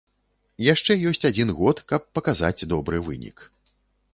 Яшчэ ёсць адзін год, каб паказаць добры вынік.